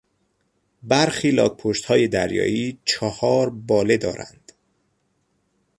برخی لاکپشتهای دریایی چهار باله دارند.